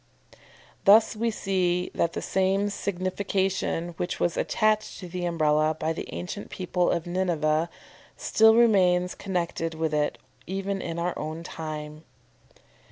Thus we see that the same signification which was attached to the Umbrella by the ancient people of Nineveh, still remains connected with it even in our own time.